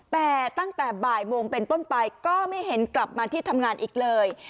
แต่ตั้งแต่บ่ายโมงเป็นต้นไปก็ไม่เห็นกลับมาที่ทำงานอีกเลย